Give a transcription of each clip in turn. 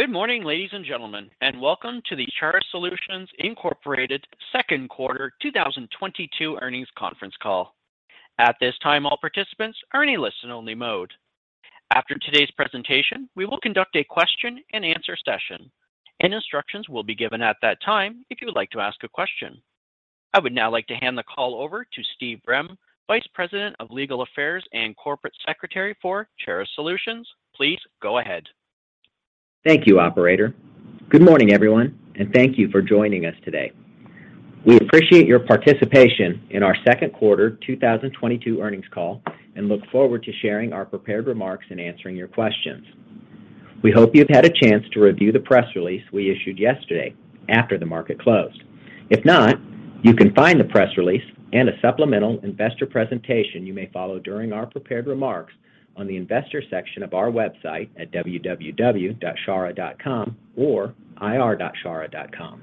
Good morning, ladies and gentlemen, and welcome to the Charah Solutions Incorporated second quarter 2022 earnings conference call. At this time, all participants are in a listen only mode. After today's presentation, we will conduct a question and answer session, and instructions will be given at that time if you would like to ask a question. I would now like to hand the call over to Steve Brehm, Vice President of Legal Affairs and Corporate Secretary for Charah Solutions. Please go ahead. Thank you, operator. Good morning, everyone, and thank you for joining us today. We appreciate your participation in our second quarter 2022 earnings call and look forward to sharing our prepared remarks and answering your questions. We hope you've had a chance to review the press release we issued yesterday after the market closed. If not, you can find the press release and a supplemental investor presentation you may follow during our prepared remarks on the investor section of our website at www.charah.com or ir.charah.com.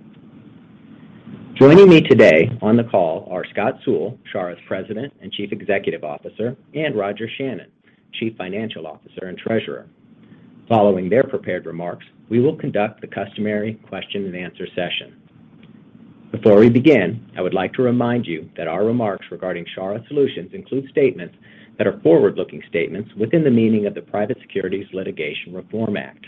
Joining me today on the call are Scott Sewell, Charah's President and Chief Executive Officer, and Roger Shannon, Chief Financial Officer and Treasurer. Following their prepared remarks, we will conduct the customary question and answer session. Before we begin, I would like to remind you that our remarks regarding Charah Solutions include statements that are forward-looking statements within the meaning of the Private Securities Litigation Reform Act.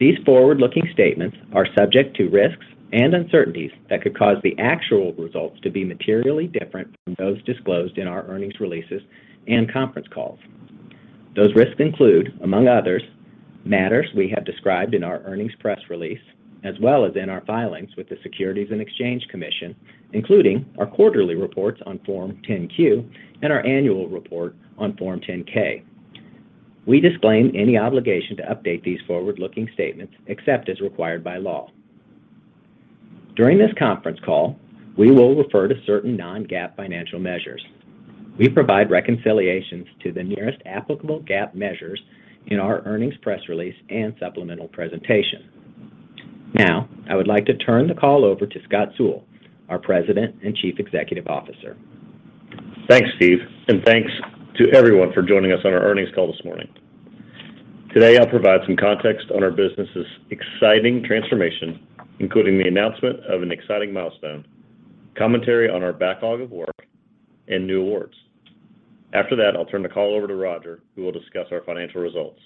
These forward-looking statements are subject to risks and uncertainties that could cause the actual results to be materially different from those disclosed in our earnings releases and conference calls. Those risks include, among others, matters we have described in our earnings press release, as well as in our filings with the Securities and Exchange Commission, including our quarterly reports on Form 10-Q and our annual report on Form 10-K. We disclaim any obligation to update these forward-looking statements except as required by law. During this conference call, we will refer to certain non-GAAP financial measures. We provide reconciliations to the nearest applicable GAAP measures in our earnings press release and supplemental presentation. Now, I would like to turn the call over to Scott Sewell, our President and Chief Executive Officer. Thanks, Steve, and thanks to everyone for joining us on our earnings call this morning. Today, I'll provide some context on our business's exciting transformation, including the announcement of an exciting milestone, commentary on our backlog of work and new awards. After that, I'll turn the call over to Roger, who will discuss our financial results.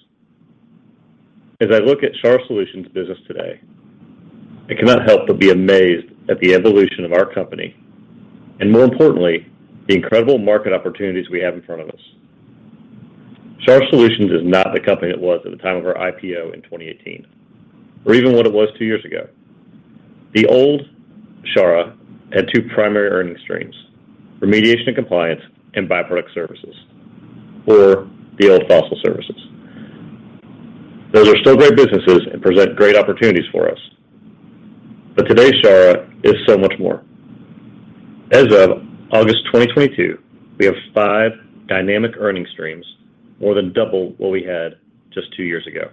As I look at Charah Solutions' business today, I cannot help but be amazed at the evolution of our company, and more importantly, the incredible market opportunities we have in front of us. Charah Solutions is not the company it was at the time of our IPO in 2018, or even what it was two years ago. The old Charah had two primary earning streams, Remediation and Compliance and byproduct services, or the old fossil services. Those are still great businesses and present great opportunities for us. Today's Charah is so much more. As of August 2022, we have five dynamic earnings streams, more than double what we had just two years ago.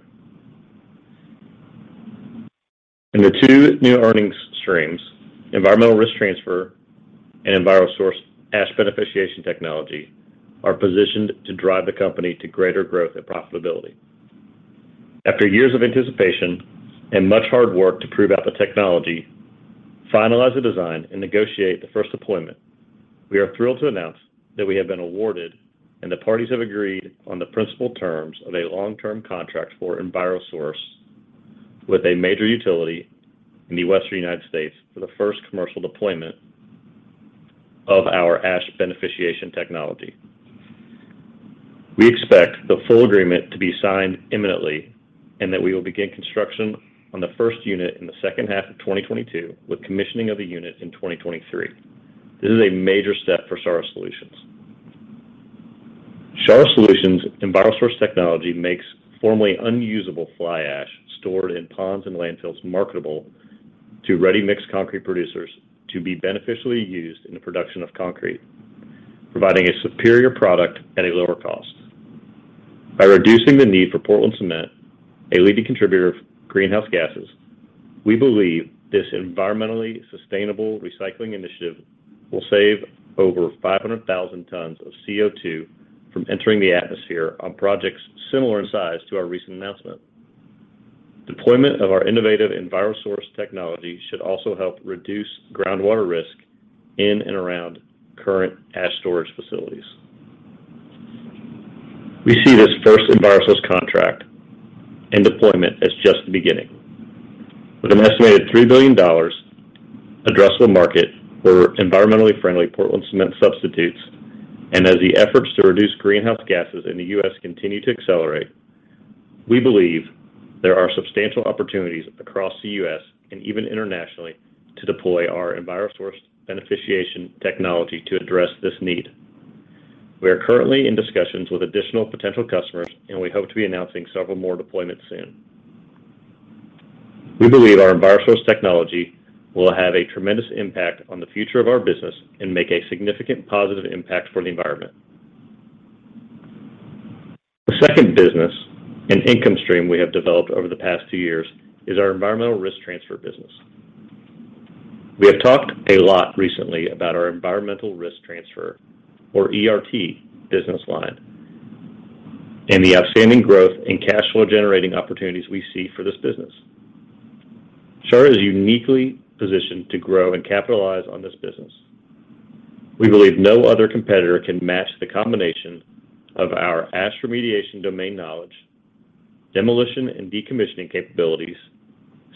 The two new earnings streams, environmental risk transfer and EnviroSource ash beneficiation technology, are positioned to drive the company to greater growth and profitability. After years of anticipation and much hard work to prove out the technology, finalize the design, and negotiate the first deployment, we are thrilled to announce that we have been awarded, and the parties have agreed on the principal terms of a long-term contract for EnviroSource with a major utility in the Western United States for the first commercial deployment of our ash beneficiation technology. We expect the full agreement to be signed imminently and that we will begin construction on the first unit in the second half of 2022, with commissioning of the unit in 2023. This is a major step for Charah Solutions. Charah Solutions' EnviroSource technology makes formerly unusable fly ash stored in ponds and landfills marketable to ready-mix concrete producers to be beneficially used in the production of concrete, providing a superior product at a lower cost. By reducing the need for Portland cement, a leading contributor of greenhouse gases, we believe this environmentally sustainable recycling initiative will save over 500,000 tons of CO₂ from entering the atmosphere on projects similar in size to our recent announcement. Deployment of our innovative EnviroSource technology should also help reduce groundwater risk in and around current ash storage facilities. We see this first EnviroSource contract and deployment as just the beginning. With an estimated $3 billion addressable market for environmentally friendly Portland cement substitutes and as the efforts to reduce greenhouse gases in the U.S. continue to accelerate, we believe there are substantial opportunities across the U.S. and even internationally to deploy our EnviroSource beneficiation technology to address this need. We are currently in discussions with additional potential customers, and we hope to be announcing several more deployments soon. We believe our EnviroSource technology will have a tremendous impact on the future of our business and make a significant positive impact for the environment. The second business and income stream we have developed over the past two years is our environmental risk transfer business. We have talked a lot recently about our environmental risk transfer or ERT business line and the outstanding growth in cash flow generating opportunities we see for this business. Charah is uniquely positioned to grow and capitalize on this business. We believe no other competitor can match the combination of our ash remediation domain knowledge, demolition and decommissioning capabilities,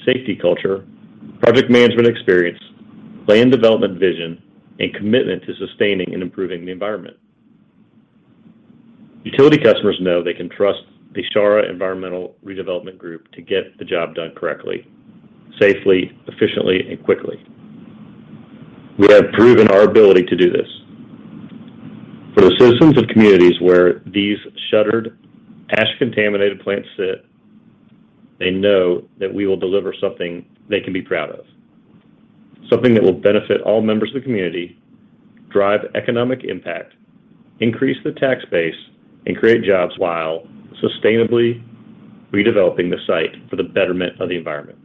safety culture, project management experience, land development vision, and commitment to sustaining and improving the environment. Utility customers know they can trust the Charah Environmental Redevelopment Group to get the job done correctly, safely, efficiently, and quickly. We have proven our ability to do this. For the citizens of communities where these shuttered ash-contaminated plants sit, they know that we will deliver something they can be proud of. Something that will benefit all members of the community, drive economic impact, increase the tax base, and create jobs while sustainably redeveloping the site for the betterment of the environment.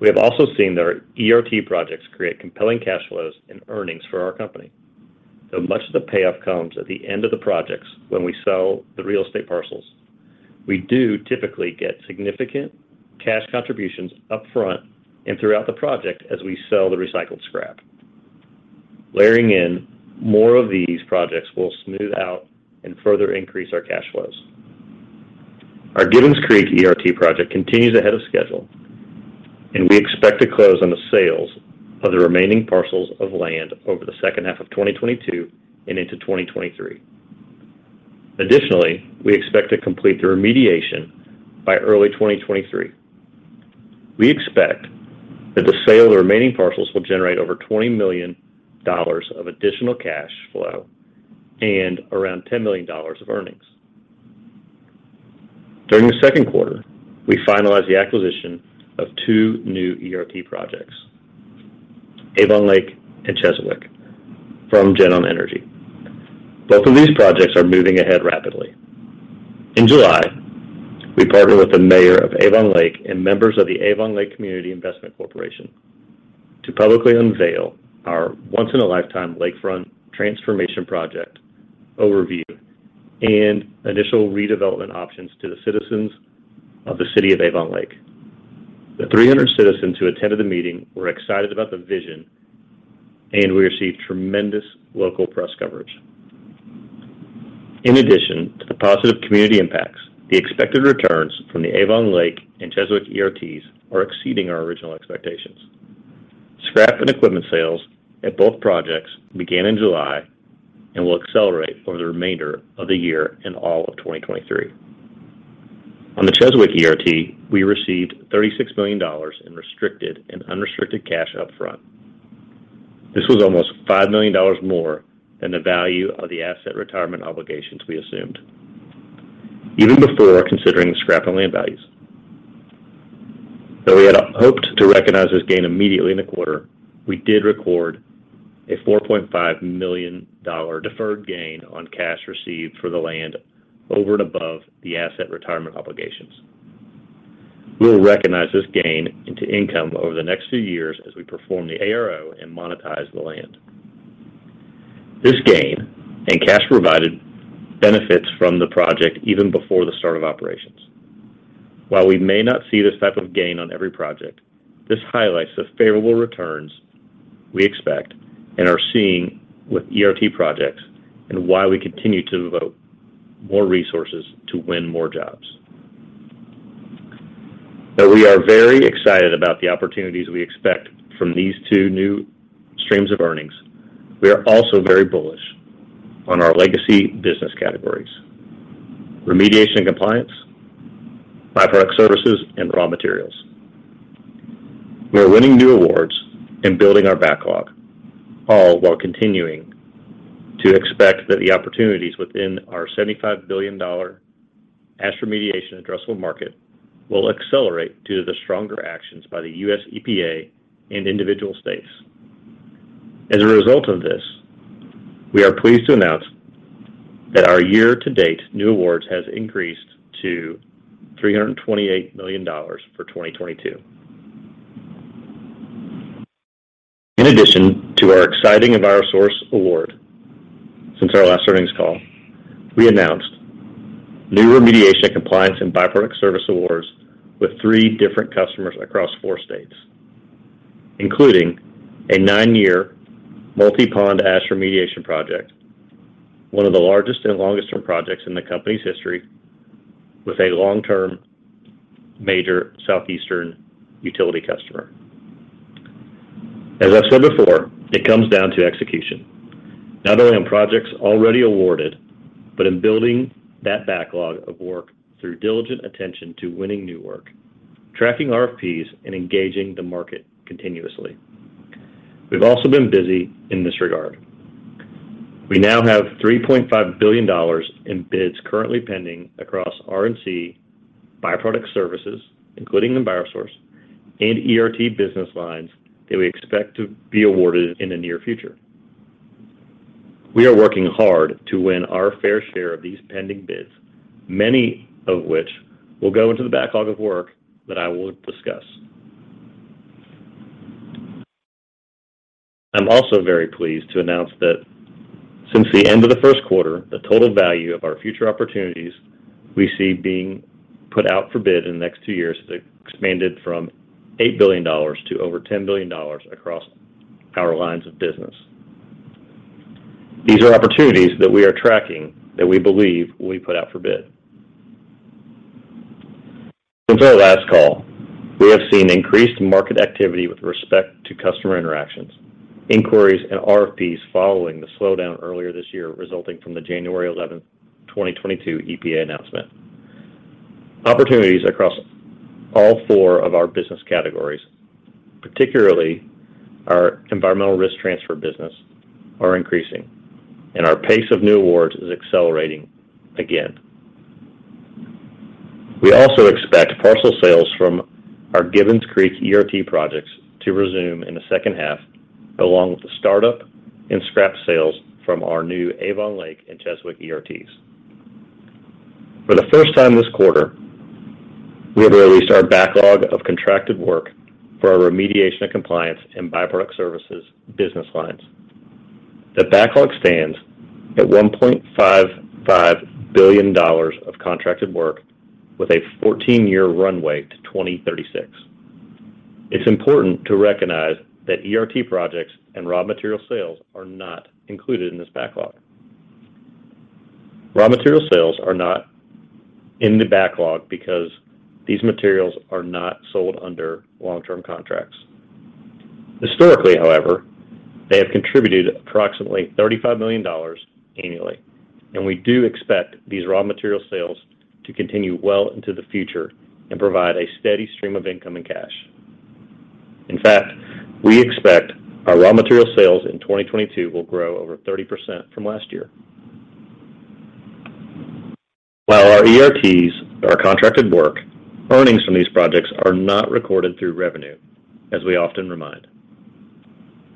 We have also seen that our ERT projects create compelling cash flows and earnings for our company. Though much of the payoff comes at the end of the projects when we sell the real estate parcels, we do typically get significant cash contributions upfront and throughout the project as we sell the recycled scrap. Layering in more of these projects will smooth out and further increase our cash flows. Our Gibbons Creek ERT project continues ahead of schedule, and we expect to close on the sales of the remaining parcels of land over the second half of 2022 and into 2023. Additionally, we expect to complete the remediation by early 2023. We expect that the sale of the remaining parcels will generate over $20 million of additional cash flow and around $10 million of earnings. During the second quarter, we finalized the acquisition of two new ERT projects, Avon Lake and Cheswick, from GenOn Energy. Both of these projects are moving ahead rapidly. In July, we partnered with the mayor of Avon Lake and members of the Avon Lake Community Improvement Corporation to publicly unveil our once-in-a-lifetime lakefront transformation project overview and initial redevelopment options to the citizens of the city of Avon Lake. The 300 citizens who attended the meeting were excited about the vision, and we received tremendous local press coverage. In addition to the positive community impacts, the expected returns from the Avon Lake and Cheswick ERTs are exceeding our original expectations. Scrap and equipment sales at both projects began in July and will accelerate over the remainder of the year and all of 2023. On the Cheswick ERT, we received $36 million in restricted and unrestricted cash upfront. This was almost $5 million more than the value of the asset retirement obligations we assumed, even before considering scrap and land values. Though we had hoped to recognize this gain immediately in the quarter, we did record a $4.5 million deferred gain on cash received for the land over and above the asset retirement obligations. We will recognize this gain into income over the next few years as we perform the ARO and monetize the land. This gain and cash provided benefits from the project even before the start of operations. While we may not see this type of gain on every project, this highlights the favorable returns we expect and are seeing with ERT projects and why we continue to devote more resources to win more jobs. Though we are very excited about the opportunities we expect from these two new streams of earnings, we are also very bullish on our legacy business categories, Remediation and Compliance, byproduct services, and raw materials. We are winning new awards and building our backlog, all while continuing to expect that the opportunities within our $75 billion ash remediation addressable market will accelerate due to the stronger actions by the U.S. EPA and individual states. As a result of this, we are pleased to announce that our year-to-date new awards has increased to $328 million for 2022. In addition to our exciting EnviroSource award, since our last earnings call, we announced new remediation and compliance and byproduct service awards with 3 different customers across 4 states, including a 9-year multi-pond ash remediation project, one of the largest and longest-term projects in the company's history, with a long-term major southeastern utility customer. As I've said before, it comes down to execution, not only on projects already awarded, but in building that backlog of work through diligent attention to winning new work, tracking RFPs, and engaging the market continuously. We've also been busy in this regard. We now have $3.5 billion in bids currently pending across R&C, byproduct services, including EnviroSource, and ERT business lines that we expect to be awarded in the near future. We are working hard to win our fair share of these pending bids, many of which will go into the backlog of work that I will discuss. I'm also very pleased to announce that since the end of the first quarter, the total value of our future opportunities we see being put out for bid in the next two years has expanded from $8 billion to over $10 billion across our lines of business. These are opportunities that we are tracking that we believe will be put out for bid. Since our last call, we have seen increased market activity with respect to customer interactions, inquiries, and RFPs following the slowdown earlier this year resulting from the January 11, 2022 EPA announcement. Opportunities across all four of our business categories, particularly our environmental risk transfer business, are increasing, and our pace of new awards is accelerating again. We also expect parcel sales from our Gibbons Creek ERT projects to resume in the second half, along with the startup and scrap sales from our new Avon Lake and Cheswick ERTs. For the first time this quarter, we have released our backlog of contracted work for our remediation and compliance and byproduct services business lines. The backlog stands at $1.55 billion of contracted work with a 14-year runway to 2036. It's important to recognize that ERT projects and raw material sales are not included in this backlog. Raw material sales are not in the backlog because these materials are not sold under long-term contracts. Historically, however, they have contributed approximately $35 million annually, and we do expect these raw material sales to continue well into the future and provide a steady stream of income and cash. In fact, we expect our raw material sales in 2022 will grow over 30% from last year. While our ERTs are contracted work, earnings from these projects are not recorded through revenue, as we often remind,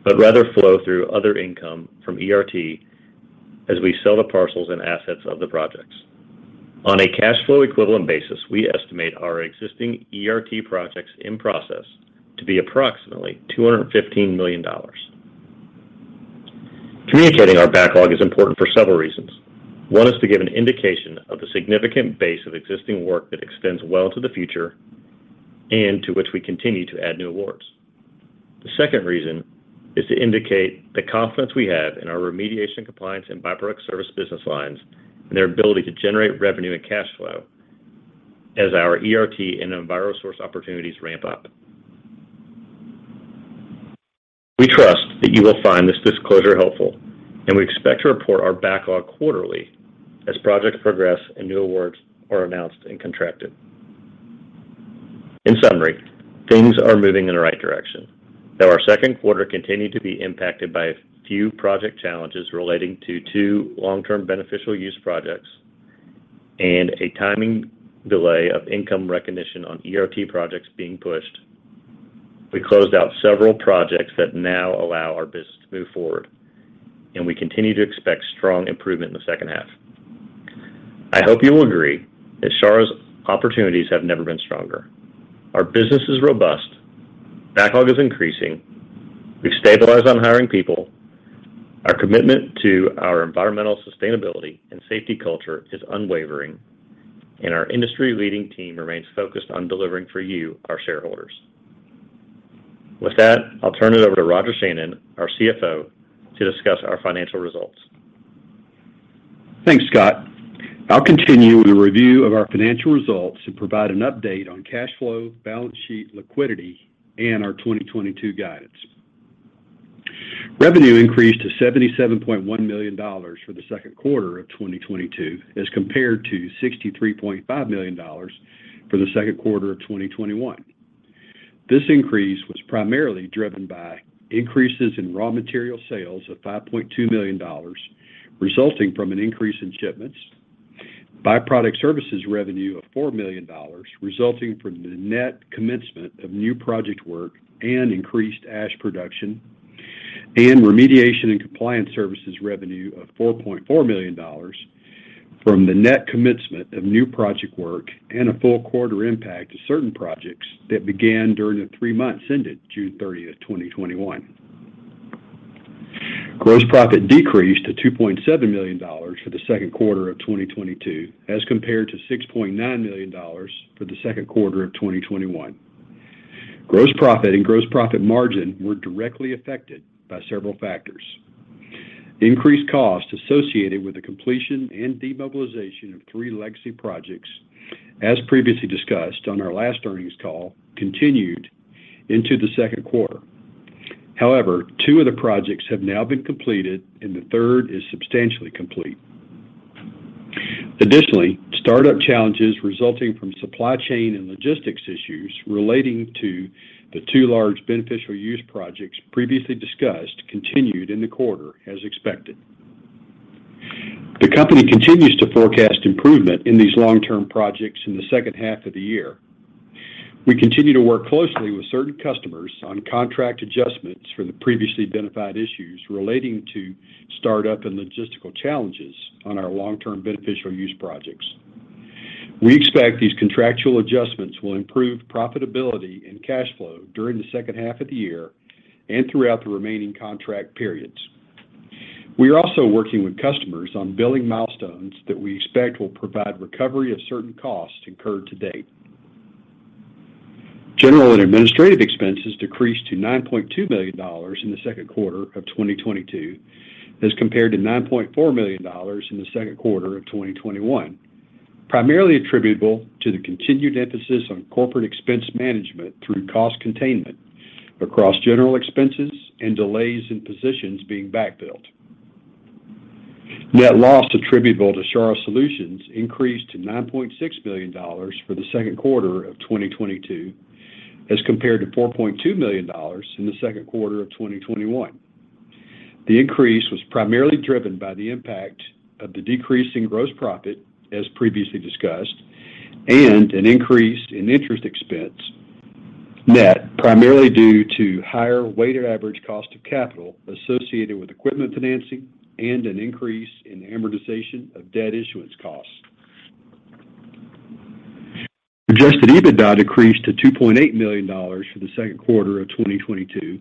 but rather flow through other income from ERT as we sell the parcels and assets of the projects. On a cash flow equivalent basis, we estimate our existing ERT projects in process to be approximately $215 million. Communicating our backlog is important for several reasons. One is to give an indication of the significant base of existing work that extends well to the future and to which we continue to add new awards. The second reason is to indicate the confidence we have in our Remediation and Compliance and byproduct service business lines and their ability to generate revenue and cash flow as our ERT and EnviroSource opportunities ramp up. We trust that you will find this disclosure helpful, and we expect to report our backlog quarterly as projects progress and new awards are announced and contracted. In summary, things are moving in the right direction, though our second quarter continued to be impacted by a few project challenges relating to two long-term beneficial use projects and a timing delay of income recognition on ERT projects being pushed. We closed out several projects that now allow our business to move forward, and we continue to expect strong improvement in the second half. I hope you will agree that Charah's opportunities have never been stronger. Our business is robust. Backlog is increasing. We've stabilized on hiring people. Our commitment to our environmental sustainability and safety culture is unwavering, and our industry-leading team remains focused on delivering for you, our shareholders. With that, I'll turn it over to Roger Shannon, our CFO, to discuss our financial results. Thanks, Scott. I'll continue with a review of our financial results and provide an update on cash flow, balance sheet liquidity, and our 2022 guidance. Revenue increased to $77.1 million for the second quarter of 2022 as compared to $63.5 million for the second quarter of 2021. This increase was primarily driven by increases in raw material sales of $5.2 million resulting from an increase in shipments, byproduct services revenue of $4 million resulting from the net commencement of new project work and increased ash production, and remediation and compliance services revenue of $4.4 million from the net commencement of new project work and a full quarter impact of certain projects that began during the three months ended June 30, 2021. Gross profit decreased to $2.7 million for the second quarter of 2022 as compared to $6.9 million for the second quarter of 2021. Gross profit and gross profit margin were directly affected by several factors. Increased costs associated with the completion and demobilization of three legacy projects, as previously discussed on our last earnings call, continued into the second quarter. However, two of the projects have now been completed, and the third is substantially complete. Additionally, startup challenges resulting from supply chain and logistics issues relating to the two large beneficial use projects previously discussed continued in the quarter as expected. The company continues to forecast improvement in these long-term projects in the second half of the year. We continue to work closely with certain customers on contract adjustments for the previously identified issues relating to startup and logistical challenges on our long-term beneficial use projects. We expect these contractual adjustments will improve profitability and cash flow during the second half of the year and throughout the remaining contract periods. We are also working with customers on billing milestones that we expect will provide recovery of certain costs incurred to date. General and administrative expenses decreased to $9.2 million in the second quarter of 2022, as compared to $9.4 million in the second quarter of 2021, primarily attributable to the continued emphasis on corporate expense management through cost containment across general expenses and delays in positions being backfilled. Net loss attributable to Charah Solutions increased to $9.6 million for the second quarter of 2022, as compared to $4.2 million in the second quarter of 2021. The increase was primarily driven by the impact of the decrease in gross profit, as previously discussed, and an increase in interest expense net primarily due to higher weighted average cost of capital associated with equipment financing and an increase in amortization of debt issuance costs. Adjusted EBITDA decreased to $2.8 million for the second quarter of 2022,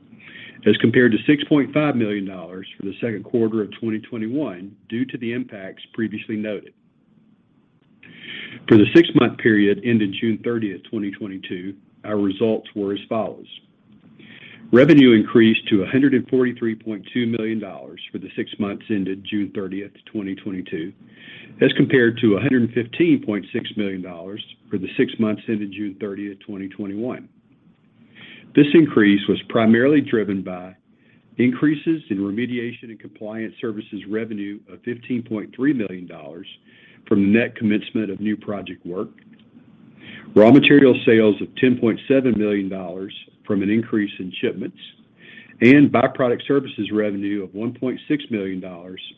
as compared to $6.5 million for the second quarter of 2021 due to the impacts previously noted. For the six-month period ended June 30, 2022, our results were as follows. Revenue increased to $143.2 million for the six months ended June 30, 2022, as compared to $115.6 million for the six months ended June 30, 2021. This increase was primarily driven by increases in Remediation and Compliance services revenue of $15.3 million from net commencement of new project work, raw material sales of $10.7 million from an increase in shipments, and byproduct services revenue of $1.6 million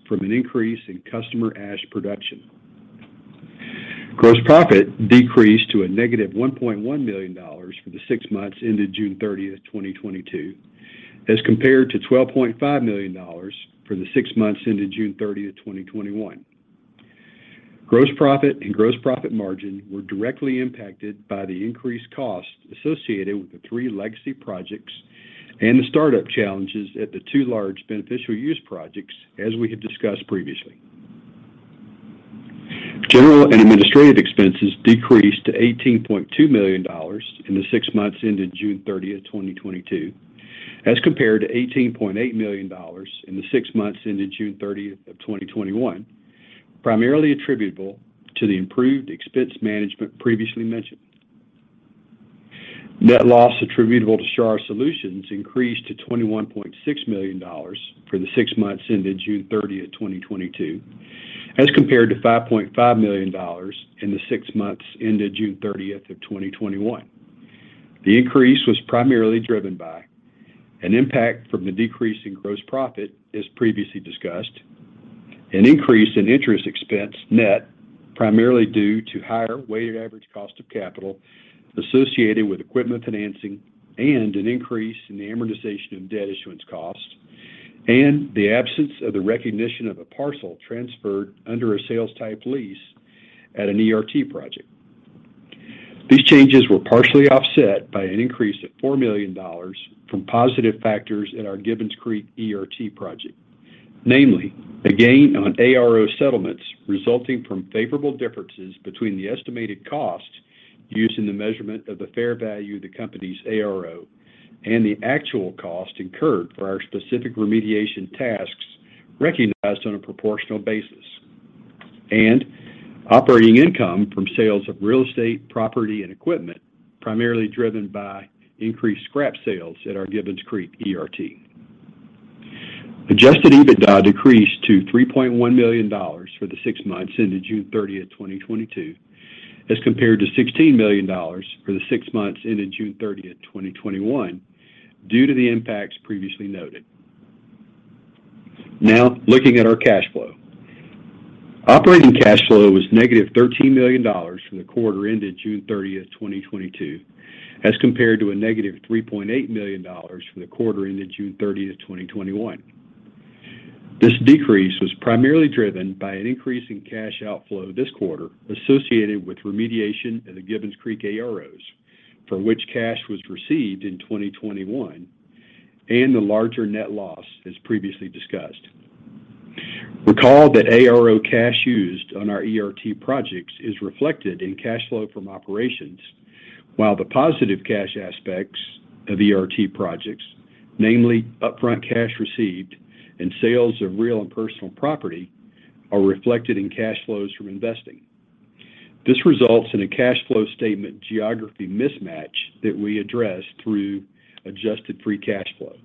from an increase in customer ash production. Gross profit decreased to -$1.1 million for the six months ended June 30, 2022, as compared to $12.5 million for the six months ended June 30, 2021. Gross profit and gross profit margin were directly impacted by the increased costs associated with the three legacy projects and the startup challenges at the two large beneficial use projects, as we had discussed previously. General and administrative expenses decreased to $18.2 million in the six months ended June 30, 2022, as compared to $18.8 million in the six months ended June 30, 2021, primarily attributable to the improved expense management previously mentioned. Net loss attributable to Charah Solutions increased to $21.6 million for the six months ended June 30, 2022, as compared to $5.5 million in the six months ended June 30, 2021. The increase was primarily driven by an impact from the decrease in gross profit, as previously discussed, an increase in interest expense net, primarily due to higher weighted average cost of capital associated with equipment financing and an increase in the amortization of debt issuance costs, and the absence of the recognition of a parcel transferred under a sales-type lease at an ERT project. These changes were partially offset by an increase of $4 million from positive factors at our Gibbons Creek ERT project, namely a gain on ARO settlements resulting from favorable differences between the estimated costs used in the measurement of the fair value of the company's ARO and the actual cost incurred for our specific remediation tasks recognized on a proportional basis, and operating income from sales of real estate, property, and equipment, primarily driven by increased scrap sales at our Gibbons Creek ERT. Adjusted EBITDA decreased to $3.1 million for the six months ended June 30, 2022, as compared to $16 million for the six months ended June 30, 2021, due to the impacts previously noted. Now, looking at our cash flow. Operating cash flow was negative $13 million for the quarter ended June 30, 2022, as compared to a negative $3.8 million for the quarter ended June 30, 2021. This decrease was primarily driven by an increase in cash outflow this quarter associated with remediation at the Gibbons Creek AROs for which cash was received in 2021 and the larger net loss as previously discussed. Recall that ARO cash used on our ERT projects is reflected in cash flow from operations, while the positive cash aspects of ERT projects, namely upfront cash received and sales of real and personal property, are reflected in cash flows from investing. This results in a cash flow statement geography mismatch that we address through adjusted free cash flow.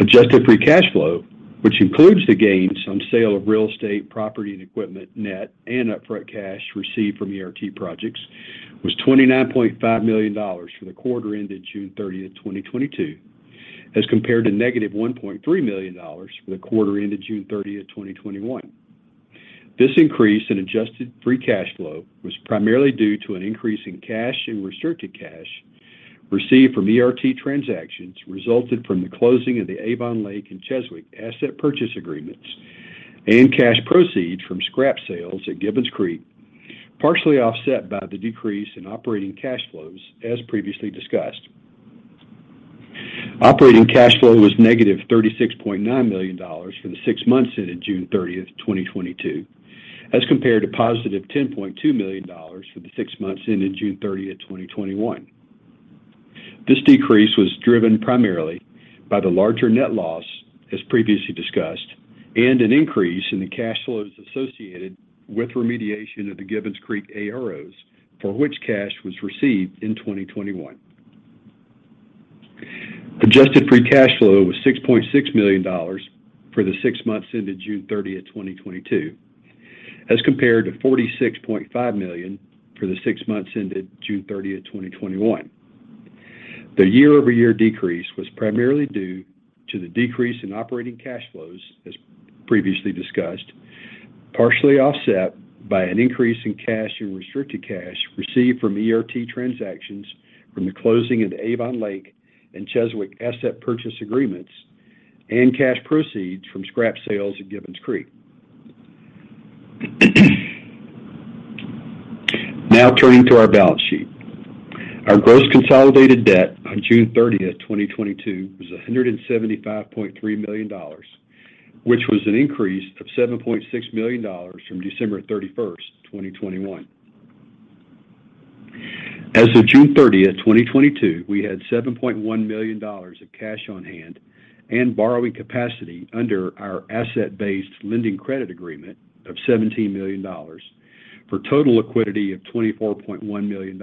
Adjusted free cash flow, which includes the gains on sale of real estate, property, and equipment net and upfront cash received from ERT projects, was $29.5 million for the quarter ended June 30, 2022. As compared to -$1.3 million for the quarter ended June 30, 2021. This increase in adjusted free cash flow was primarily due to an increase in cash and restricted cash received from ERT transactions resulted from the closing of the Avon Lake and Cheswick asset purchase agreements and cash proceeds from scrap sales at Gibbons Creek, partially offset by the decrease in operating cash flows as previously discussed. Operating cash flow was -$36.9 million for the six months ended June 30, 2022, as compared to $10.2 million for the six months ended June 30, 2021. This decrease was driven primarily by the larger net loss, as previously discussed, and an increase in the cash flows associated with remediation of the Gibbons Creek AROs for which cash was received in 2021. Adjusted free cash flow was $6.6 million for the six months ended June 30, 2022, as compared to $46.5 million for the six months ended June 30, 2021. The year-over-year decrease was primarily due to the decrease in operating cash flows, as previously discussed, partially offset by an increase in cash and restricted cash received from ERT transactions from the closing of the Avon Lake and Cheswick asset purchase agreements and cash proceeds from scrap sales at Gibbons Creek. Now turning to our balance sheet. Our gross consolidated debt on June 30, 2022 was $175.3 million, which was an increase of $7.6 million from December 31, 2021. As of June 30, 2022, we had $7.1 million of cash on hand and borrowing capacity under our asset-based lending credit agreement of $17 million for total liquidity of $24.1 million.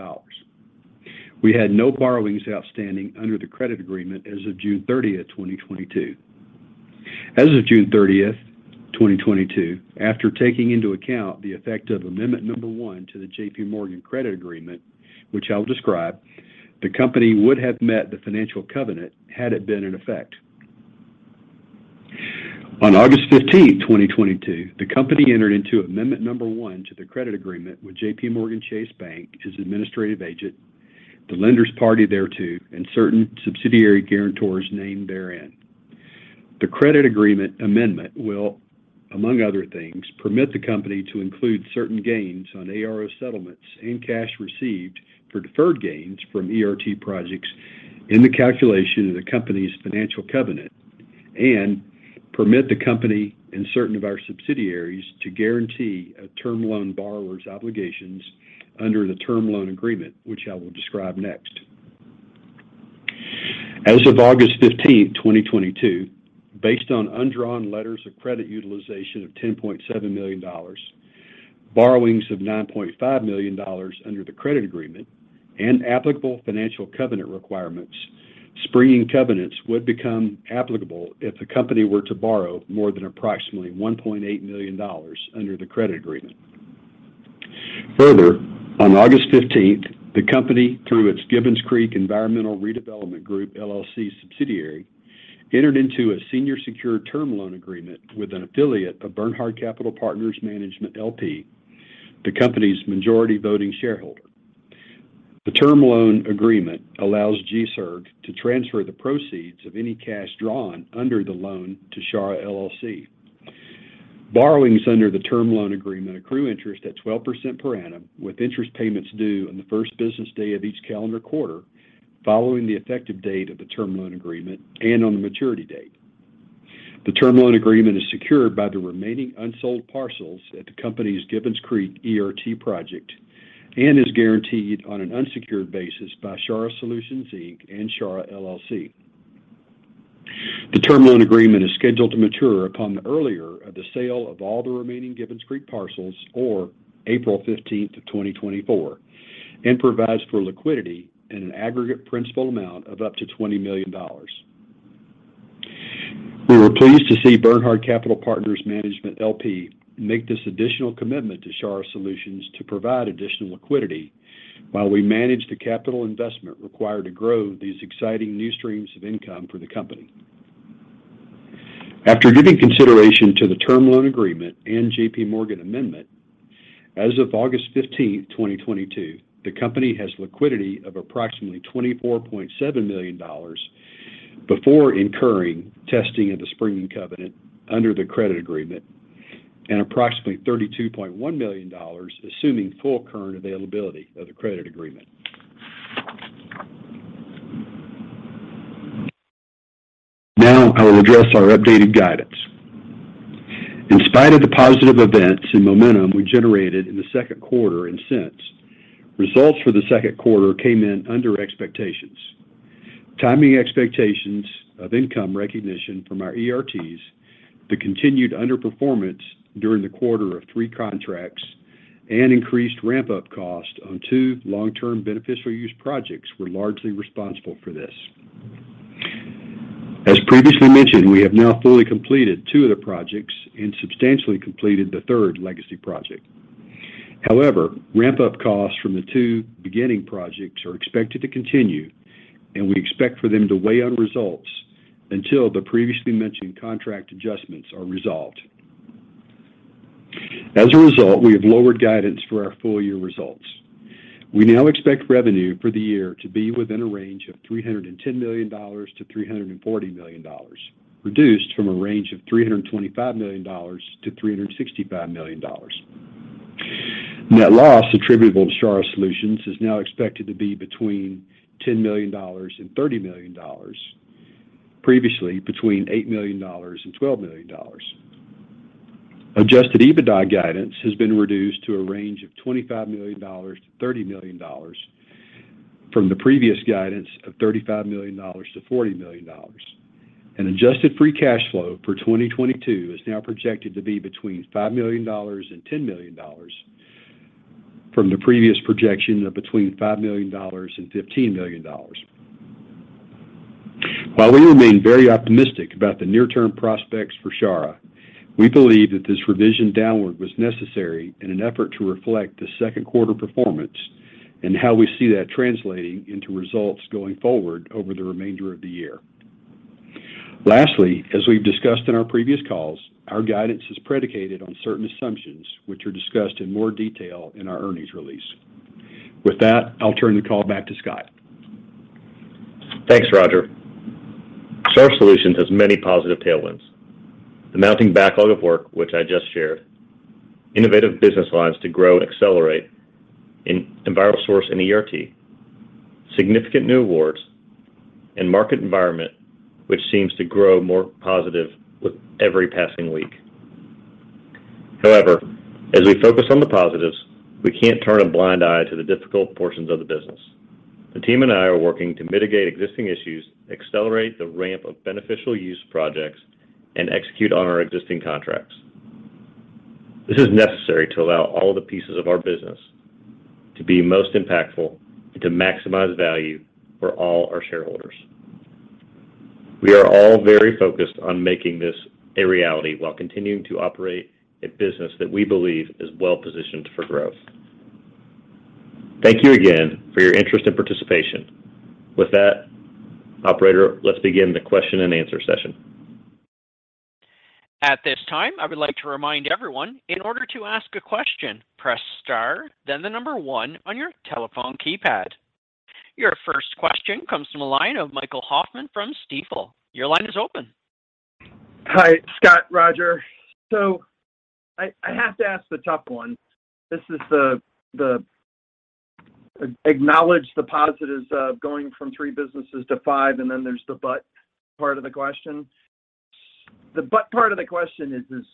We had no borrowings outstanding under the credit agreement as of June 30, 2022. As of June 30, 2022, after taking into account the effect of amendment number one to the JPMorgan credit agreement, which I'll describe, the company would have met the financial covenant had it been in effect. On August 15, 2022, the company entered into amendment number one to the credit agreement with JPMorgan Chase Bank as administrative agent, the lenders party thereto, and certain subsidiary guarantors named therein. The credit agreement amendment will, among other things, permit the company to include certain gains on ARO settlements and cash received for deferred gains from ERT projects in the calculation of the company's financial covenant and permit the company and certain of our subsidiaries to guarantee a term loan borrower's obligations under the term loan agreement, which I will describe next. As of August 15, 2022, based on undrawn letters of credit utilization of $10.7 million, borrowings of $9.5 million under the credit agreement and applicable financial covenant requirements, springing covenants would become applicable if the company were to borrow more than approximately $1.8 million under the credit agreement. Further, on August fifteenth, the company, through its Gibbons Creek Environmental Redevelopment Group, LLC subsidiary, entered into a senior secured term loan agreement with an affiliate of Bernhard Capital Partners Management, LP, the company's majority voting shareholder. The term loan agreement allows GCERG to transfer the proceeds of any cash drawn under the loan to Charah, LLC. Borrowings under the term loan agreement accrue interest at 12% per annum, with interest payments due on the first business day of each calendar quarter following the effective date of the term loan agreement and on the maturity date. The term loan agreement is secured by the remaining unsold parcels at the company's Gibbons Creek ERT project and is guaranteed on an unsecured basis by Charah Solutions, Inc. and Charah, LLC. The term loan agreement is scheduled to mature upon the earlier of the sale of all the remaining Gibbons Creek parcels or April fifteenth of 2024 and provides for liquidity in an aggregate principal amount of up to $20 million. We were pleased to see Bernhard Capital Partners Management, LP make this additional commitment to Charah Solutions to provide additional liquidity while we manage the capital investment required to grow these exciting new streams of income for the company. After giving consideration to the term loan agreement and JPMorgan amendment, as of August 15, 2022, the company has liquidity of approximately $24.7 million before incurring testing of the springing covenant under the credit agreement and approximately $32.1 million, assuming full current availability of the credit agreement. Now, I will address our updated guidance. In spite of the positive events and momentum we generated in the second quarter and since, results for the second quarter came in under expectations. Timing expectations of income recognition from our ERTs, the continued underperformance during the quarter of three contracts, and increased ramp-up cost on two long-term beneficial use projects were largely responsible for this. As previously mentioned, we have now fully completed two of the projects and substantially completed the third legacy project. However, ramp-up costs from the two beginning projects are expected to continue, and we expect for them to weigh on results until the previously mentioned contract adjustments are resolved. As a result, we have lowered guidance for our full year results. We now expect revenue for the year to be within a range of $310 million-$340 million, reduced from a range of $325 million-$365 million. Net loss attributable to Charah Solutions is now expected to be between $10 million and $30 million, previously between $8 million and $12 million. Adjusted EBITDA guidance has been reduced to a range of $25 million-$30 million from the previous guidance of $35 million-$40 million. Adjusted free cash flow for 2022 is now projected to be between $5 million and $10 million from the previous projection of between $5 million and $15 million. While we remain very optimistic about the near-term prospects for Charah, we believe that this revision downward was necessary in an effort to reflect the second quarter performance and how we see that translating into results going forward over the remainder of the year. Lastly, as we've discussed in our previous calls, our guidance is predicated on certain assumptions which are discussed in more detail in our earnings release. With that, I'll turn the call back to Scott. Thanks, Roger. Charah Solutions has many positive tailwinds. The mounting backlog of work, which I just shared, innovative business lines to grow and accelerate in EnviroSource and ERT, significant new awards, and market environment, which seems to grow more positive with every passing week. However, as we focus on the positives, we can't turn a blind eye to the difficult portions of the business. The team and I are working to mitigate existing issues, accelerate the ramp of beneficial use projects, and execute on our existing contracts. This is necessary to allow all the pieces of our business to be most impactful and to maximize value for all our shareholders. We are all very focused on making this a reality while continuing to operate a business that we believe is well-positioned for growth. Thank you again for your interest and participation. With that, operator, let's begin the question and answer session. At this time, I would like to remind everyone, in order to ask a question, press star, then the number one on your telephone keypad. Your first question comes from the line of Michael Hoffman from Stifel. Your line is open. Hi, Scott, Roger. I have to ask the tough one. This is to acknowledge the positives of going from three businesses to five, and then there's the but part of the question. The but part of the question is,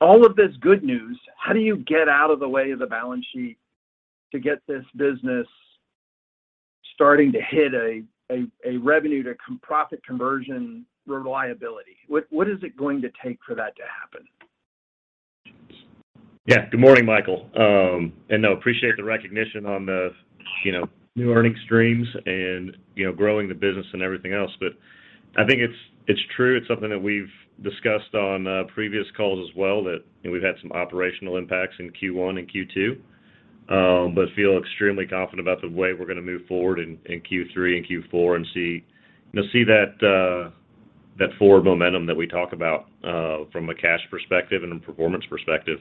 all of this good news, how do you get out of the way of the balance sheet to get this business starting to hit a revenue to profit conversion reliability? What is it going to take for that to happen? Yeah. Good morning, Michael. No, appreciate the recognition on the, you know, new earning streams and, you know, growing the business and everything else. I think it's true. It's something that we've discussed on previous calls as well that, you know, we've had some operational impacts in Q1 and Q2, but feel extremely confident about the way we're gonna move forward in Q3 and Q4 and see. You'll see that forward momentum that we talk about from a cash perspective and a performance perspective.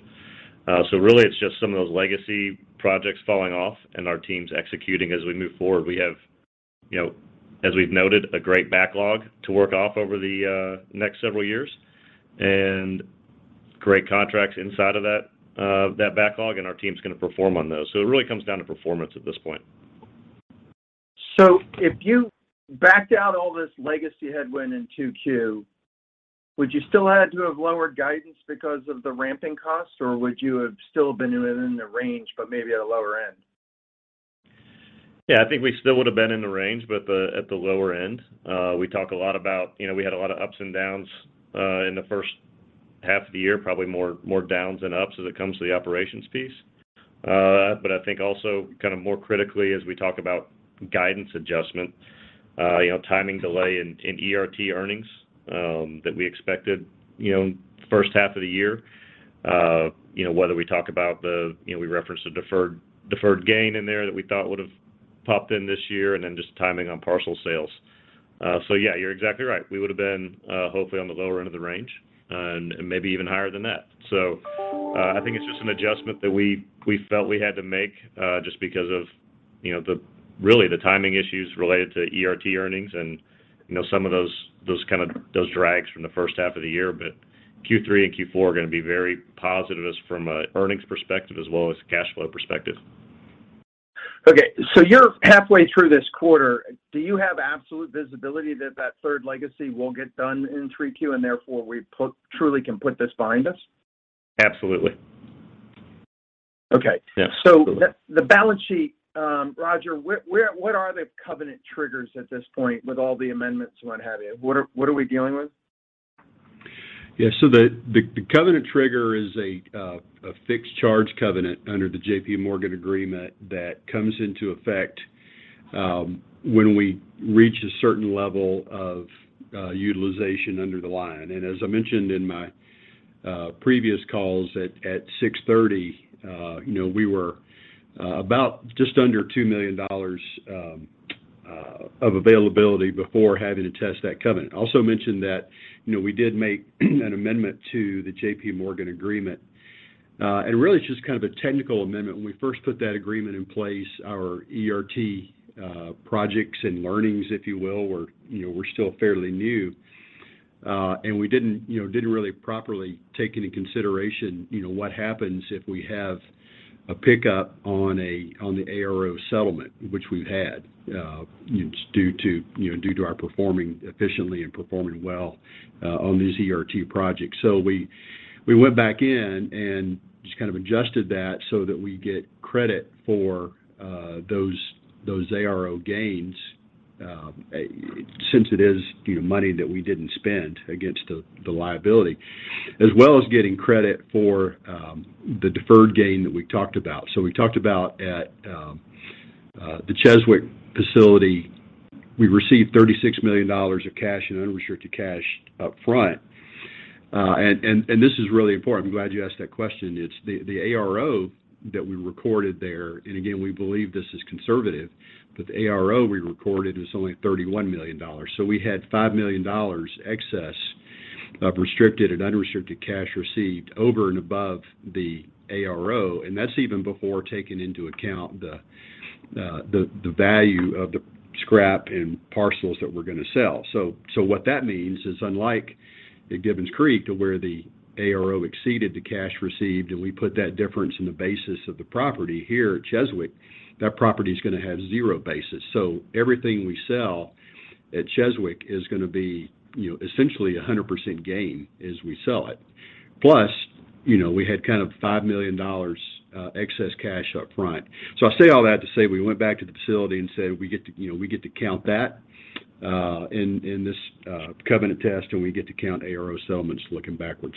Really it's just some of those legacy projects falling off and our teams executing as we move forward. We have, you know, as we've noted, a great backlog to work off over the next several years and great contracts inside of that backlog, and our team's gonna perform on those. It really comes down to performance at this point. If you backed out all this legacy headwind in 2Q, would you still had to have lowered guidance because of the ramping costs, or would you have still been within the range but maybe at a lower end? Yeah. I think we still would have been in the range but at the lower end. We talk a lot about. You know, we had a lot of ups and downs in the first half of the year, probably more downs than ups as it comes to the operations piece. I think also kind of more critically as we talk about guidance adjustment, you know, timing delay in ERT earnings that we expected, you know, first half of the year. You know, whether we talk about the. You know, we referenced the deferred gain in there that we thought would have popped in this year, and then just timing on parcel sales. Yeah, you're exactly right. We would have been, hopefully on the lower end of the range and maybe even higher than that. I think it's just an adjustment that we felt we had to make just because of, you know, the really the timing issues related to ERT earnings and, you know, some of those kind of drags from the first half of the year. Q3 and Q4 are gonna be very positive as from a earnings perspective as well as cash flow perspective. You're halfway through this quarter. Do you have absolute visibility that the third legacy will get done in 3Q, and therefore we truly can put this behind us? Absolutely. Okay. Yeah. Absolutely. The balance sheet, Roger, what are the covenant triggers at this point with all the amendments and what have you? What are we dealing with? The covenant trigger is a fixed charge covenant under the JPMorgan agreement that comes into effect when we reach a certain level of utilization under the line. As I mentioned in my previous calls at 6:30, you know, we were about just under $2 million of availability before having to test that covenant. I also mentioned that, you know, we did make an amendment to the JPMorgan agreement, and really it's just kind of a technical amendment. When we first put that agreement in place, our ERT projects and learnings, if you will, were, you know, still fairly new. We didn't you know really properly take into consideration, you know, what happens if we have a pickup on the ARO settlement, which we've had, you know, due to our performing efficiently and performing well on these ERT projects. We went back in and just kind of adjusted that so that we get credit for those ARO gains, since it is, you know, money that we didn't spend against the liability, as well as getting credit for the deferred gain that we talked about. We talked about at the Cheswick facility, we received $36 million of cash and unrestricted cash up front. This is really important. I'm glad you asked that question. It's the ARO that we recorded there. Again, we believe this is conservative, but the ARO we recorded was only $31 million. We had $5 million excess of restricted and unrestricted cash received over and above the ARO. That's even before taking into account the value of the scrap and parcels that we're gonna sell. What that means is unlike at Gibbons Creek to where the ARO exceeded the cash received, and we put that difference in the basis of the property. Here at Cheswick, that property is gonna have zero basis. Everything we sell at Cheswick is gonna be, you know, essentially 100% gain as we sell it. Plus, you know, we had kind of $5 million excess cash up front. I say all that to say we went back to the facility and said, we get to, you know, we get to count that in this covenant test, and we get to count ARO settlements looking backwards.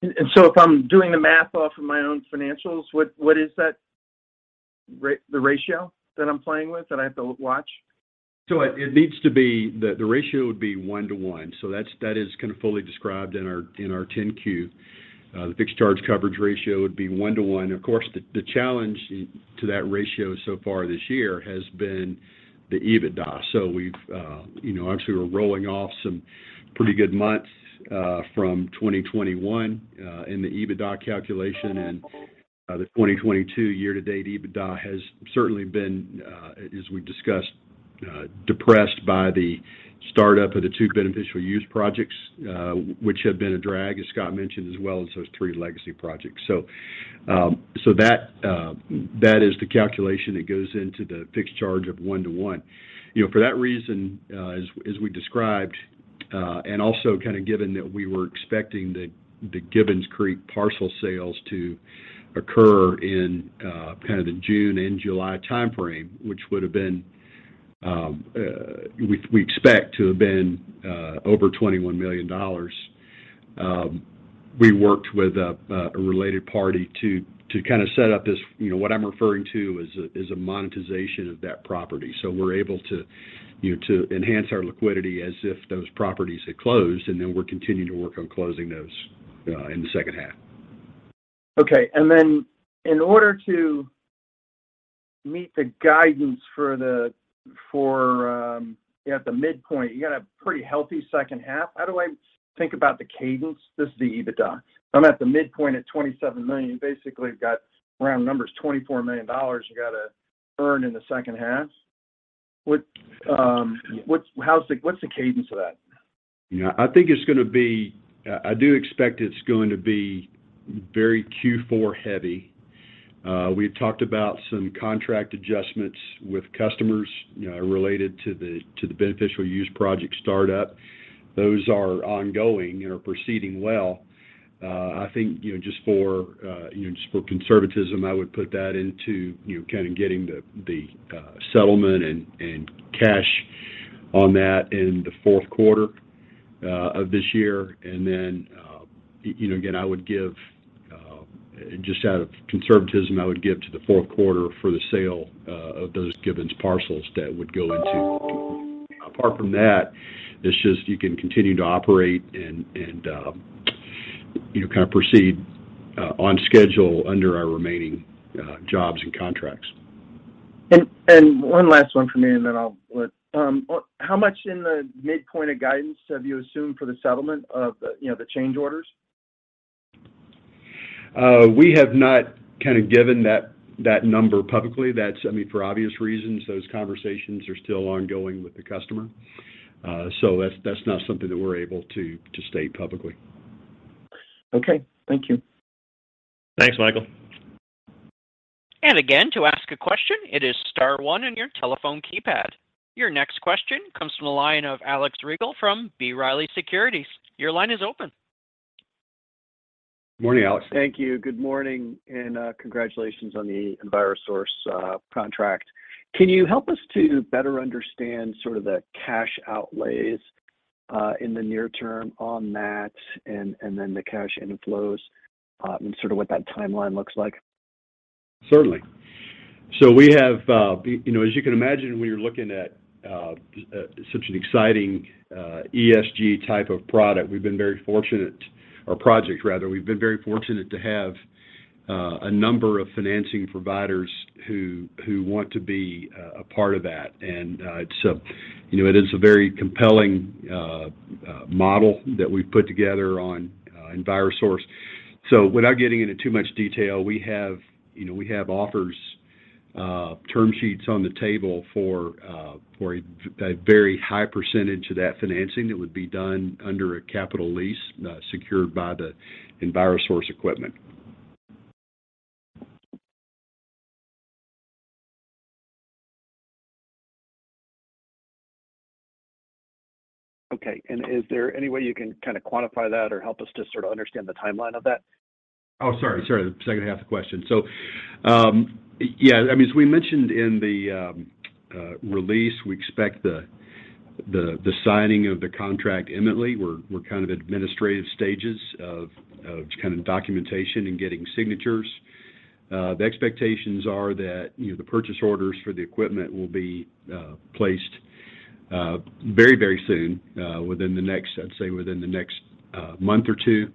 If I'm doing the math off of my own financials, what is that the ratio that I'm playing with, that I have to watch? The ratio would be 1 to 1. That's kind of fully described in our 10-Q. The fixed charge coverage ratio would be 1 to 1. Of course, the challenge to that ratio so far this year has been the EBITDA. We've you know actually we're rolling off some pretty good months from 2021 in the EBITDA calculation. The 2022 year to date EBITDA has certainly been as we've discussed depressed by the startup of the two beneficial use projects which have been a drag as Scott mentioned as well as those three legacy projects. That is the calculation that goes into the fixed charge of 1 to 1. You know, for that reason, as we described, and also kind of given that we were expecting the Gibbons Creek parcel sales to occur in kind of the June and July timeframe, which we expect to have been over $21 million. We worked with a related party to kind of set up this. You know, what I'm referring to is a monetization of that property. We're able to, you know, to enhance our liquidity as if those properties had closed, and then we're continuing to work on closing those in the second half. Okay. In order to meet the guidance for, you know, at the midpoint, you got a pretty healthy second half. How do I think about the cadence? This is the EBITDA. If I'm at the midpoint at $27 million, basically you've got round numbers, $24 million you got to earn in the second half. What's the cadence of that? Yeah. I do expect it's going to be very Q4 heavy. We've talked about some contract adjustments with customers, you know, related to the beneficial use project startup. Those are ongoing and are proceeding well. I think, you know, just for conservatism, I would put that into, you know, kind of getting the settlement and cash on that in the fourth quarter of this year. You know, again, I would give just out of conservatism to the fourth quarter for the sale of those Gibbons parcels that would go into. Apart from that, it's just you can continue to operate and you know, kind of proceed on schedule under our remaining jobs and contracts. One last one from me. How much in the midpoint of guidance have you assumed for the settlement of the, you know, the change orders? We have not kind of given that number publicly. That's, I mean, for obvious reasons, those conversations are still ongoing with the customer. That's not something that we're able to state publicly. Okay. Thank you. Thanks, Michael. Again, to ask a question, it is star one on your telephone keypad. Your next question comes from the line of Alex Rygiel from B. Riley Securities. Your line is open. Morning, Alex. Thank you. Good morning and congratulations on the EnviroSource contract. Can you help us to better understand sort of the cash outlays in the near term on that and then the cash inflows and sort of what that timeline looks like. Certainly. We have, you know, as you can imagine, when you're looking at such an exciting ESG type of product, we've been very fortunate, or project rather, we've been very fortunate to have a number of financing providers who want to be a part of that. It's a, you know, it is a very compelling model that we've put together on EnviroSource. Without getting into too much detail, we have, you know, we have offers, term sheets on the table for a very high percentage of that financing that would be done under a capital lease, secured by the EnviroSource equipment. Okay. Is there any way you can kind of quantify that or help us to sort of understand the timeline of that? Oh, sorry, the second half of the question. Yeah. I mean, as we mentioned in the release, we expect the signing of the contract imminently. We're in the administrative stages of kind of documentation and getting signatures. The expectations are that, you know, the purchase orders for the equipment will be placed very soon, within the next, I'd say, month or two.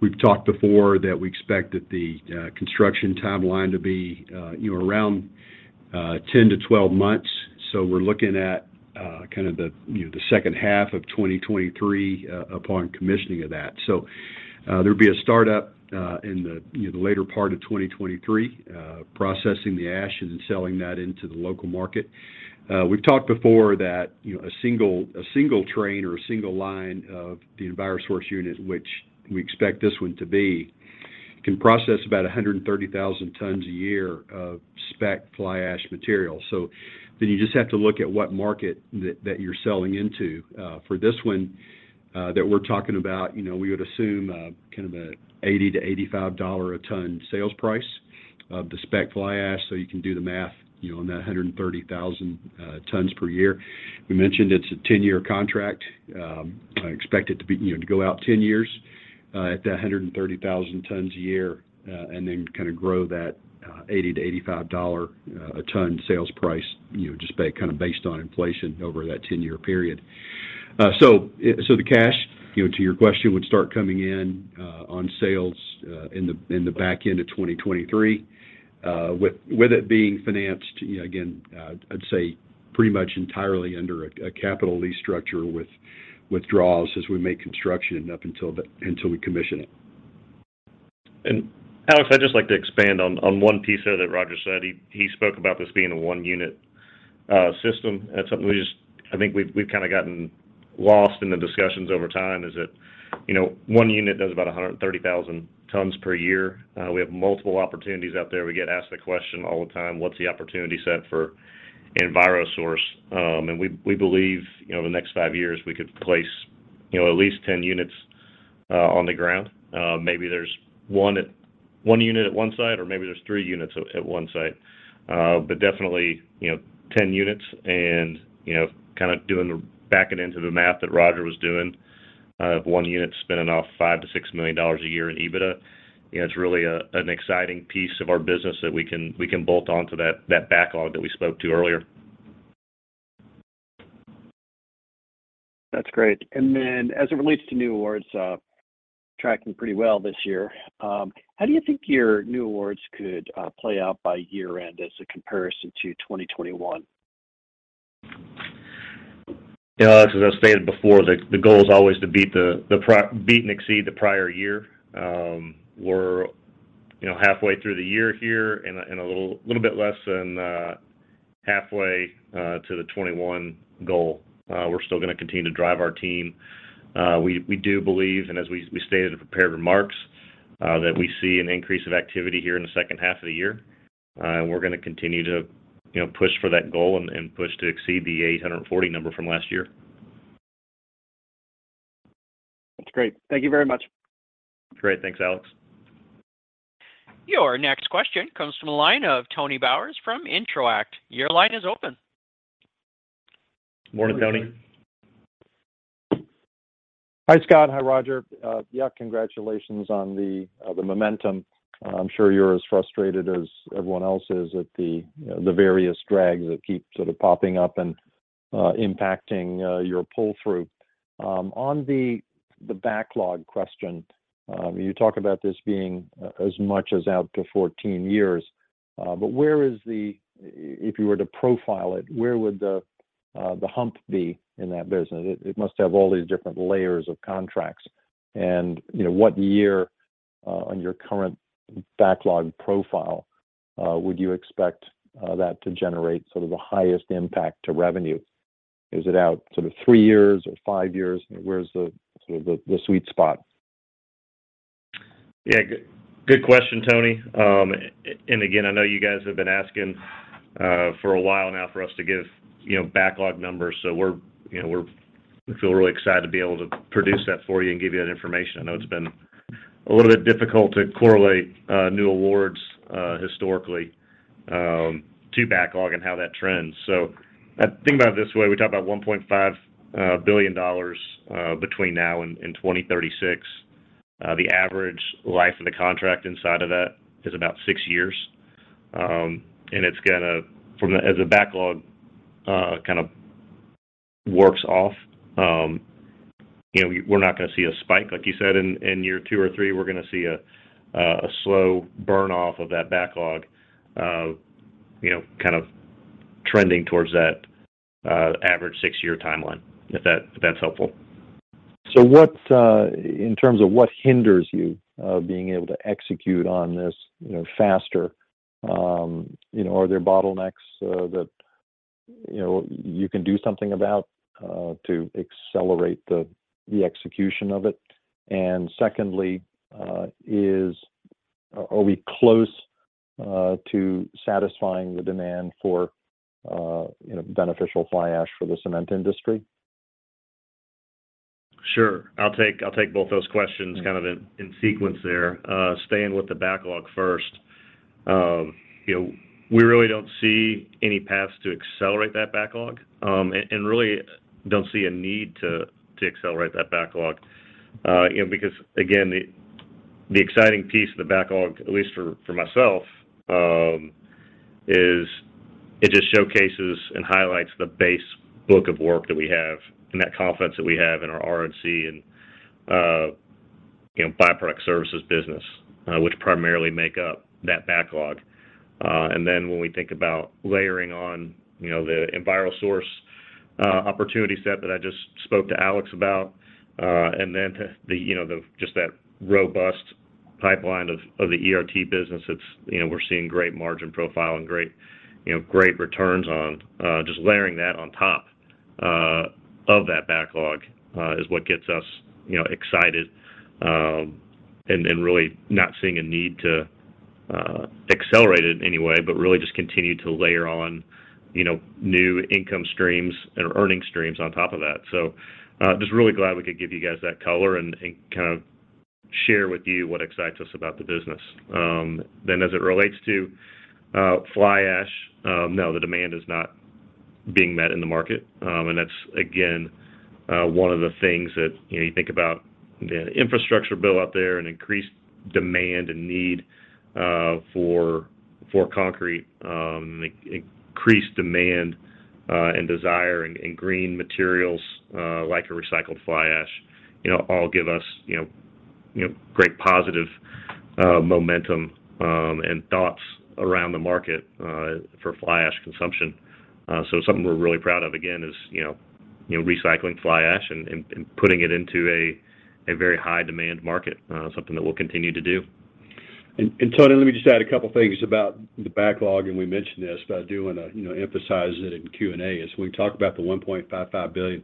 We've talked before that we expect the construction timeline to be, you know, around 10-12 months. We're looking at kind of the, you know, the second half of 2023, upon commissioning of that. There'll be a startup in the later part of 2023, processing the ash and selling that into the local market. We've talked before that, you know, a single train or a single line of the EnviroSource unit, which we expect this one to be, can process about 130,000 tons a year of spec fly ash material. You just have to look at what market that you're selling into. For this one, that we're talking about, you know, we would assume kind of a $80-$85 a ton sales price of the spec fly ash. You can do the math, you know, on that 130,000 tons per year. We mentioned it's a 10-year contract. I expect it to be, you know, to go out 10 years, at that 130,000 tons a year, and then kind of grow that $80-$85 a ton sales price, you know, just based on inflation over that 10-year period. So the cash, you know, to your question, would start coming in, on sales, in the back end of 2023. With it being financed, you know, again, I'd say pretty much entirely under a capital lease structure with withdrawals as we make construction and up until we commission it. Alex, I'd just like to expand on one piece there that Roger said. He spoke about this being a one-unit system. That's something I think we've kind of gotten lost in the discussions over time is that, you know, one unit does about 130,000 tons per year. We have multiple opportunities out there. We get asked the question all the time, "What's the opportunity set for EnviroSource?" We believe, you know, the next five years we could place, you know, at least 10 units on the ground. Maybe there's one unit at one site or maybe there's three units at one site. Definitely, you know, 10 units and, you know, kind of backing into the math that Roger was doing of 1 unit spinning off $5 million-$6 million a year in EBITDA. You know, it's really an exciting piece of our business that we can bolt on to that backlog that we spoke to earlier. That's great. Then as it relates to new awards, tracking pretty well this year, how do you think your new awards could play out by year-end as a comparison to 2021? You know, Alex, as I stated before, the goal is always to beat and exceed the prior year. You know, we're halfway through the year here and a little bit less than halfway to the 2021 goal. We're still gonna continue to drive our team. We do believe, and as we stated in the prepared remarks, that we see an increase of activity here in the second half of the year. We're gonna continue to, you know, push for that goal and push to exceed the 840 number from last year. That's great. Thank you very much. Great. Thanks, Alex. Your next question comes from the line of Tony Bowers from Intro-act. Your line is open. Morning, Tony. Morning. Hi, Scott. Hi, Roger. Yeah, congratulations on the momentum. I'm sure you're as frustrated as everyone else is at, you know, the various drags that keep sort of popping up and impacting your pull-through. On the backlog question, you talk about this being as much as out to 14 years. But if you were to profile it, where would the hump be in that business? It must have all these different layers of contracts. You know, what year on your current backlog profile would you expect that to generate sort of the highest impact to revenue? Is it out sort of 3 years or 5 years? Where is the sort of sweet spot? Yeah. Good question, Tony. And again, I know you guys have been asking for a while now for us to give, you know, backlog numbers. So we're, you know, we feel really excited to be able to produce that for you and give you that information. I know it's been a little bit difficult to correlate new awards historically to backlog and how that trends. So think about it this way. We talked about $1.5 billion between now and 2036. The average life of the contract inside of that is about 6 years. And it's gonna as the backlog kind of works off, you know, we're not gonna see a spike, like you said, in year two or three. We're gonna see a slow burn off of that backlog, you know, kind of trending towards that average six-year timeline, if that's helpful. What, in terms of what hinders you, being able to execute on this, you know, faster, you know, are there bottlenecks, that, you know, you can do something about, to accelerate the execution of it? Secondly, are we close, to satisfying the demand for, you know, beneficial fly ash for the cement industry? Sure. I'll take both those questions kind of in sequence there. Staying with the backlog first. You know, we really don't see any paths to accelerate that backlog, and really don't see a need to accelerate that backlog, you know, because again, the exciting piece of the backlog, at least for myself, is it just showcases and highlights the base book of work that we have and that confidence that we have in our R&C and, you know, byproduct services business, which primarily make up that backlog. When we think about layering on, you know, the EnviroSource opportunity set that I just spoke to Alex about, and then to the, you know, just that robust pipeline of the ERT business that's, you know, we're seeing great margin profile and great, you know, great returns on, just layering that on top of that backlog, is what gets us, you know, excited. Really not seeing a need to accelerate it in any way, but really just continue to layer on, you know, new income streams and earning streams on top of that. Just really glad we could give you guys that color and kind of share with you what excites us about the business. As it relates to fly ash, no, the demand is not being met in the market. That's again one of the things that you know you think about the infrastructure bill out there and increased demand and need for concrete, increased demand and desire in green materials like a recycled fly ash, you know all give us you know great positive momentum and thoughts around the market for fly ash consumption. Something we're really proud of again is you know recycling fly ash and putting it into a very high demand market, something that we'll continue to do. Tony, let me just add a couple things about the backlog, and we mentioned this, but I do wanna, you know, emphasize it in Q&A. As we talk about the $1.55 billion,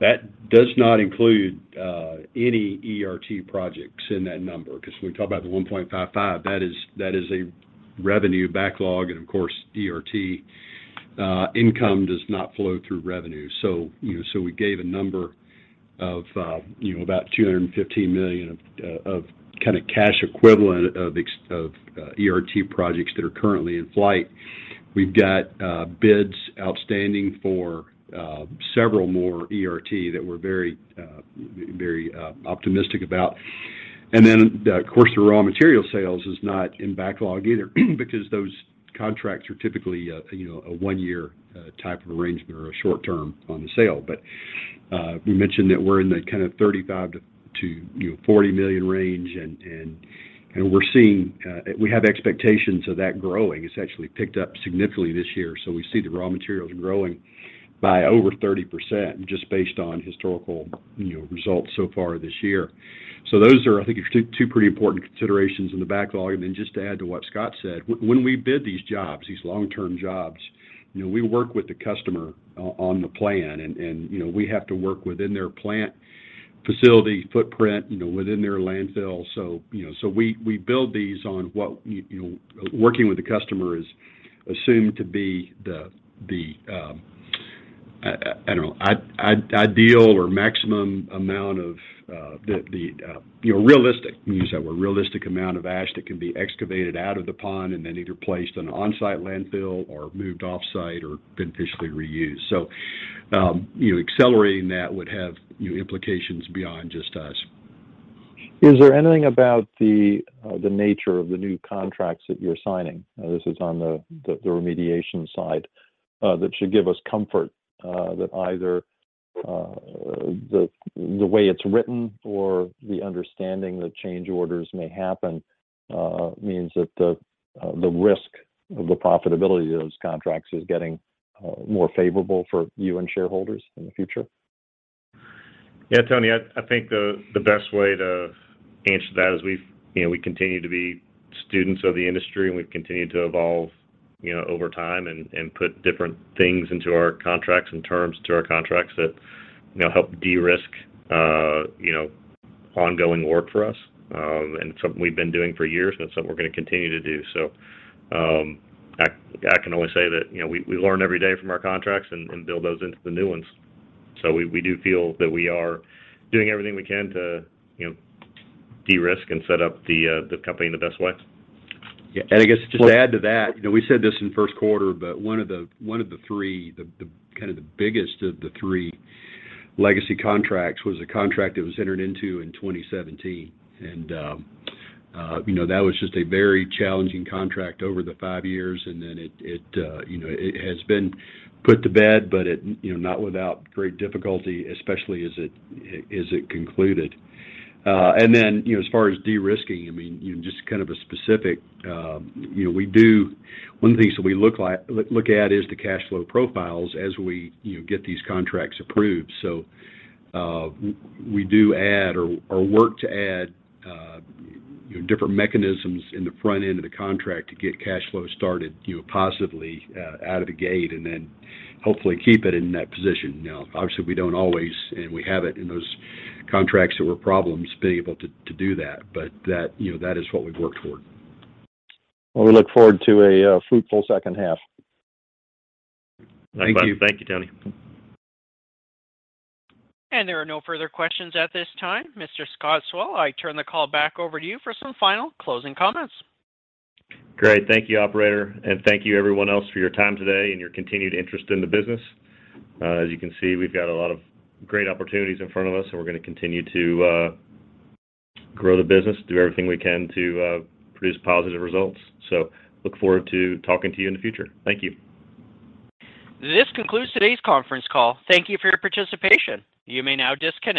that does not include any ERT projects in that number, 'cause when we talk about the $1.55, that is a revenue backlog, and of course, ERT income does not flow through revenue. You know, we gave a number of, you know, about $215 million of kinda cash equivalent of ERT projects that are currently in flight. We've got bids outstanding for several more ERT that we're very optimistic about. Then of course, the raw material sales is not in backlog either because those contracts are typically, you know, a one-year type of arrangement or a short term on the sale. We mentioned that we're in the kind of $35-$40 million range and we're seeing, we have expectations of that growing. It's actually picked up significantly this year. We see the raw materials growing by over 30% just based on historical, you know, results so far this year. Those are, I think, two pretty important considerations in the backlog. Then just to add to what Scott said, when we bid these jobs, these long-term jobs, you know, we work with the customer on the plan and, you know, we have to work within their plant facility footprint, you know, within their landfill. You know, we build these on what you know, working with the customer is assumed to be the, I don't know, ideal or maximum amount of the, you know, realistic, use that word, realistic amount of ash that can be excavated out of the pond and then either placed on onsite landfill or moved offsite or beneficially reused. You know, accelerating that would have, you know, implications beyond just us. Is there anything about the nature of the new contracts that you're signing, this is on the remediation side, that should give us comfort, that either the way it's written or the understanding that change orders may happen means that the risk of the profitability of those contracts is getting more favorable for you and shareholders in the future? Yeah, Tony, I think the best way to answer that is we've, you know, we continue to be students of the industry, and we've continued to evolve, you know, over time and put different things into our contracts and terms to our contracts that, you know, help de-risk, you know, ongoing work for us. And it's something we've been doing for years, and it's something we're gonna continue to do. I can only say that, you know, we learn every day from our contracts and build those into the new ones. We do feel that we are doing everything we can to, you know, de-risk and set up the company in the best way. I guess just to add to that, you know, we said this in first quarter, but one of the three, the biggest of the three legacy contracts was a contract that was entered into in 2017. You know, that was just a very challenging contract over the five years, and then you know, it has been put to bed, but you know, not without great difficulty, especially as it concluded. You know, as far as de-risking, I mean, you know, just kind of a specific, you know, one of the things that we look at is the cash flow profiles as we, you know, get these contracts approved. We do add or work to add, you know, different mechanisms in the front end of the contract to get cash flow started, you know, positively, out of the gate, and then hopefully keep it in that position. You know, obviously, we don't always, and we have it in those contracts that were problems being able to do that, but that, you know, that is what we've worked toward. Well, we look forward to a fruitful second half. Thank you. Thank you, Tony. There are no further questions at this time. Mr. Scott Sewell, I turn the call back over to you for some final closing comments. Great. Thank you, operator, and thank you everyone else for your time today and your continued interest in the business. As you can see, we've got a lot of great opportunities in front of us, and we're gonna continue to grow the business, do everything we can to produce positive results. Look forward to talking to you in the future. Thank you. This concludes today's conference call. Thank you for your participation. You may now disconnect.